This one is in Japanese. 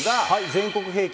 全国平均